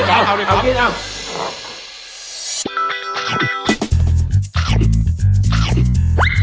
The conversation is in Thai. อ้าวเอาเลยครับ